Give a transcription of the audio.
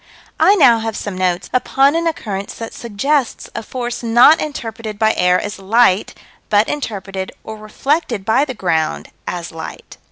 I now have some notes upon an occurrence that suggests a force not interpreted by air as light, but interpreted, or reflected by the ground as light.